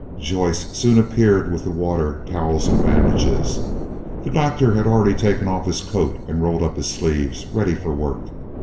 Joyce soon appeared with the water, towels, and bandages. The Doctor had already taken off his coat and rolled up his sleeves, ready for work.